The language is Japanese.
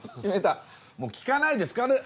もう聞かないでつかる！